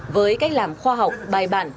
với cách làm khoa học bài bản